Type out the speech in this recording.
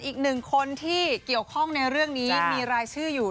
อีกหนึ่งคนที่เกี่ยวข้องในเรื่องนี้มีรายชื่ออยู่